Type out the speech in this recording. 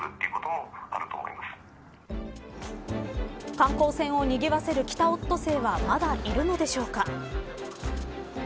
観光船をにぎわせるキタオットセイはまだいるのでしょうか。